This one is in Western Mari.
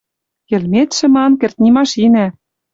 Йӹлметшӹ, ман, кӹртни машинӓ...»